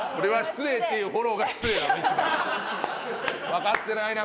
分かってないな